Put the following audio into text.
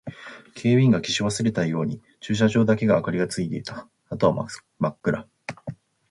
警備員が消し忘れたように駐輪場だけ明かりがついていた。あとは真っ暗。